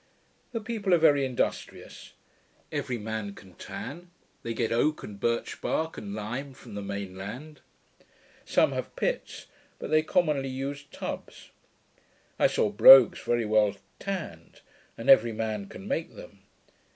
The people are very industrious. Every man can tan. They get oak, and birch bark, and lime, from the main land. Some have pits; but they commonly use tubs. I saw brogues very well tanned; and every man can make them.